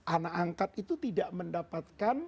anak angkat itu tidak mendapatkan